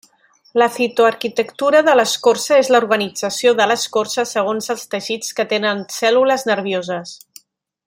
La citoarquitectura de l'escorça és l'organització de l'escorça segons els teixits que tenen cèl·lules nervioses.